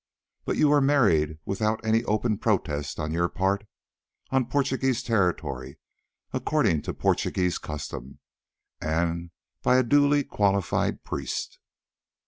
But you were married without any open protest on your part, on Portuguese territory, according to Portuguese custom, and by a duly qualified priest.